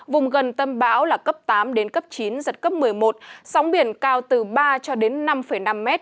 vùng gần tâm bão là cấp tám đến cấp chín giật cấp một mươi một sóng biển cao từ ba cho đến năm năm m